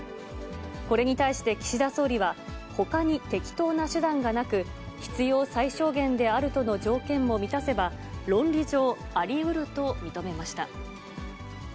これに対して岸田総理は、他に適当な手段がなく、必要最小限であるとの条件を満たせば論理上ありうると認めました。